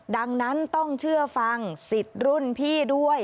ดังนั้นต้องเชื่อฟังสิทธิ์รุ่นพี่ด้วย